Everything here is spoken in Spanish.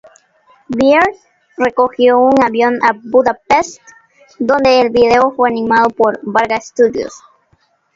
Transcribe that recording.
Bird cogió un avión a Budapest, donde el vídeo fue animado por Varga Studio.